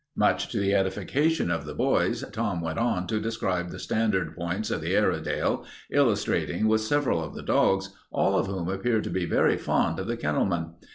Much to the edification of the boys, Tom went on to describe the standard points of the Airedale, illustrating with several of the dogs, all of whom seemed to be very fond of the kennelman.